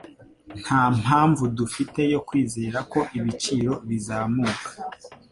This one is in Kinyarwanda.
Ntampamvu dufite yo kwizera ko ibiciro bizamuka.